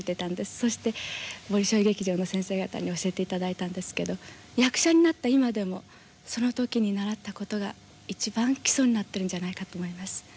そしてボリショイ劇場の先生方に教えていただいたんですけど役者になった今でもそのときに習ったことが一番基礎になっているんじゃないかと思います。